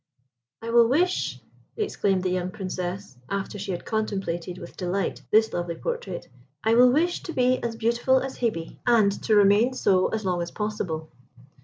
"I will wish," exclaimed the young Princess, after she had contemplated with delight this lovely portrait, "I will wish to be as beautiful as Hebe, and to remain so as long as possible."